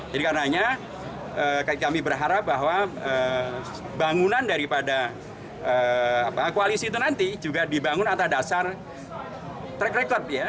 jadi karena kami berharap bahwa bangunan daripada koalisi itu nanti juga dibangun atas dasar track record